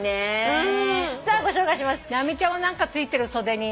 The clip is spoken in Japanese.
うん。